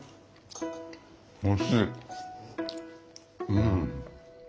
うん。